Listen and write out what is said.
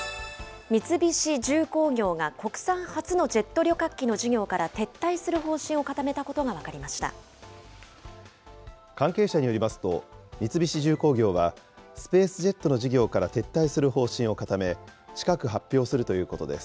三菱重工業が国産初のジェット旅客機の事業から撤退する方針を固関係者によりますと、三菱重工業は、スペースジェットの事業から撤退する方針を固め、近く発表するということです。